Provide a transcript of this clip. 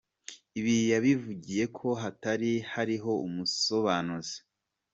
Ibi yabivugiye ko hatari hariho umusobanuzi.